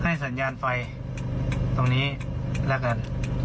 สัญญาณไฟตรงนี้แล้วกัน